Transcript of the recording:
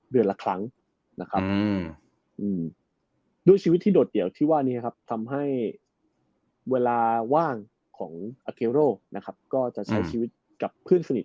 เดือนละครั้งนะครับด้วยชีวิตที่โดดเดี่ยวที่ว่านี้ครับทำให้เวลาว่างของอาเกโรนะครับก็จะใช้ชีวิตกับเพื่อนสนิท